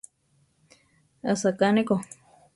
Asaká ne ko.